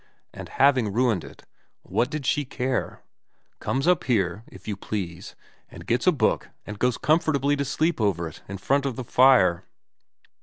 And having ruined it, what did she care ? Comes up here, if you please, and gets a book and goes comfortably to sleep over it in front of the fire.